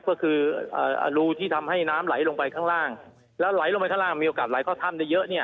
ก็คือรูที่ทำให้น้ำไหลลงไปข้างล่างแล้วไหลลงไปข้างล่างมีโอกาสไหลเข้าถ้ำได้เยอะเนี่ย